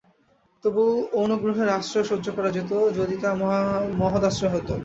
তবু অনুগ্রহের আশ্রয়ও সহ্য করা যেত যদি তা মহদাশ্রয় হত।